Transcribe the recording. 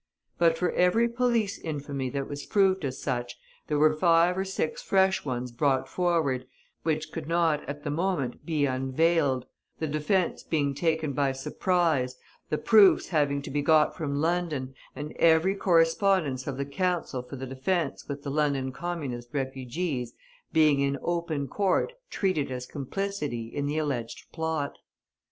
But for every police infamy that was proved as such, there were five or six fresh ones brought forward, which could not, at the moment, be unveiled, the defence being taken by surprise, the proofs having to be got from London, and every correspondence of the counsel for the defence with the London Communist refugees being in open court treated as complicity in the alleged plot!